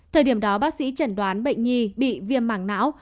thời điểm đó bác sĩ chẩn đoán bệnh nhi bị viêm mảng não